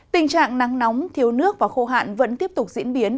tình trạng nắng nóng thiếu nước và khô hạn vẫn tiếp tục diễn biến